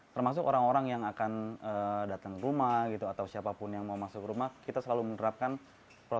termasuk orang orang yang akan datang ke rumah gitu atau siapapun yang mau masuk rumah kita selalu menerapkan protokol kesehatan